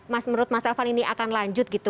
mas menurut mas elvan ini akan lanjut gitu